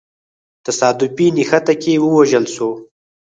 تصادفي نښته کي ووژل سو.